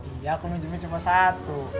iya aku minjemnya cuma satu